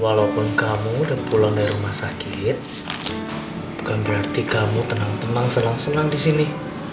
walaupun kamu udah pulang dari rumah sakit bukan berarti kamu tenang tenang senang senang di sini